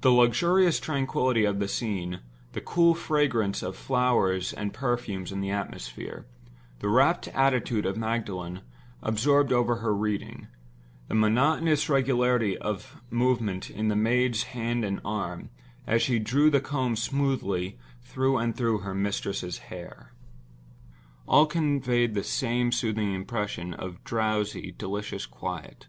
The luxurious tranquillity of the scene; the cool fragrance of flowers and perfumes in the atmosphere; the rapt attitude of Magdalen, absorbed over her reading; the monotonous regularity of movement in the maid's hand and arm, as she drew the comb smoothly through and through her mistress's hair—all conveyed the same soothing impression of drowsy, delicious quiet.